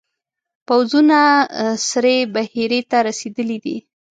پوځونه سرې بحیرې ته رسېدلي دي.